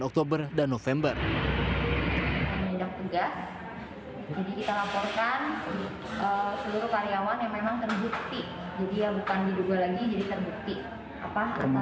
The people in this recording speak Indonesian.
oktober dan november kita laporkan seluruh karyawan yang memang terbukti jadi ya bukan